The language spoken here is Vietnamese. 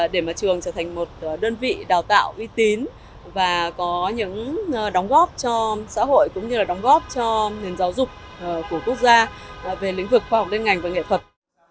để mà trường trở thành một đơn vị đào tạo uy tín và có những đóng góp cho xã hội cũng như là đóng góp cho nền giáo dục của quốc gia về lĩnh vực khoa học liên ngành và nghệ thuật